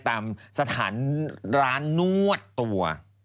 ตามสถานร้านนวดตัว